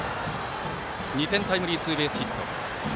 ２点タイムリーツーベースヒット。